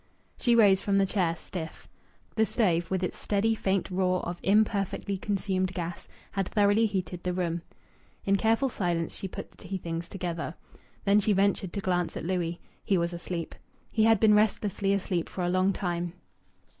She rose from the chair, stiff. The stove, with its steady faint roar of imperfectly consumed gas, had thoroughly heated the room. In careful silence she put the tea things together. Then she ventured to glance at Louis. He was asleep. He had been restlessly asleep for a long time.